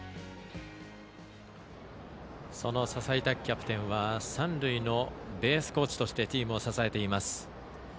その笹井キャプテンは三塁ベースコーチとしてチームを支えています。